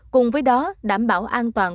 cùng với đó đảm bảo an toàn